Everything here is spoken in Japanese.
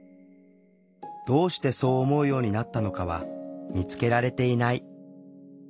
どうしてそう思うようになったのかは見つけられていない。